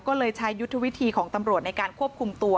ก็เลยใช้ยุทธวิธีของตำรวจในการควบคุมตัว